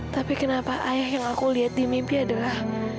tapi kenapa ayah yang aku lihat di mimpi adalah